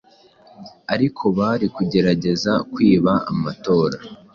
ariko bari kugerageza kwiba amatora,